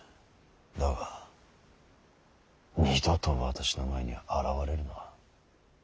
だが二度と私の前に現れるな。